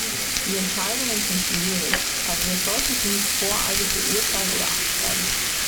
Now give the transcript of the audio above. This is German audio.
Die Entscheidungen sind schwierig, aber wir sollten sie nicht voreilig beurteilen oder abschreiben.